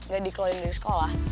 gak dikeluarin dari sekolah